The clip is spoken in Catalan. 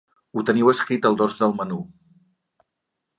Ho teniu escrit al dors del menú.